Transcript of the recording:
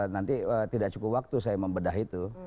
nanti tidak cukup waktu saya membedah itu